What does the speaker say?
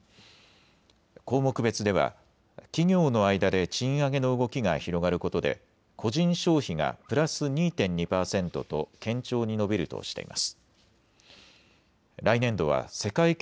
項目別では企業の間で賃上げの動きが広がることで個人消費がプラス２．２％と堅調に伸びるとしています。